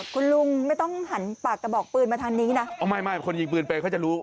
คุณลุงไม่ต้องหันปากกระบอกปืนมาทางนี้นะอ๋อไม่ไม่คนยิงปืนไปเขาจะรู้